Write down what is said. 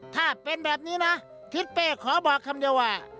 ถ้าเป็นแบบนี้นะทิศเป้ขอบอกคำเดียวว่า